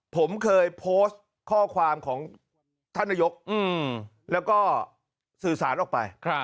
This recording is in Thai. ผมเคยโพสต์ข้อความของท่านนายกแล้วก็สื่อสารออกไป